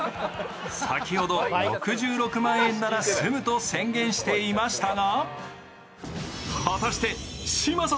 先ほど６６万円なら住むと宣言していましたが。